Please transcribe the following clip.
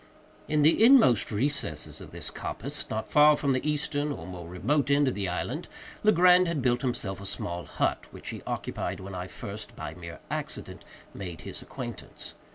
In the inmost recesses of this coppice, not far from the eastern or more remote end of the island, Legrand had built himself a small hut, which he occupied when I first, by mere accident, made his acquaintance.